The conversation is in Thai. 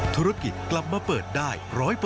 ธุรกิจกลับมาเปิดได้๑๐๐